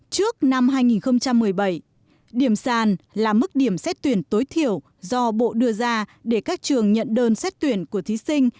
trước năm hai nghìn một mươi bảy điểm sàn là mức điểm xét tuyển tối thiểu do bộ đưa ra để các trường nhận đơn xét tuyển của thí sinh